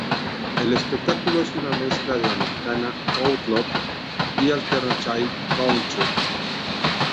El espectáculo es una mezcla de americana, Outlaw, y alternative Country.